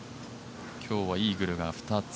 今日はイーグルが２つ。